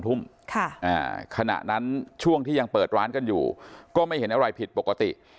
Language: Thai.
ขณะนั้นช่วงที่ยังเปิดร้านกันอยู่ก็ไม่เห็นอะไรผิดปกติ